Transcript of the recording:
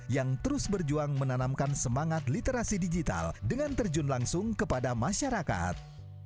yang terus berjuang menanamkan semangat literasi digital dengan terjun langsung kepada masyarakat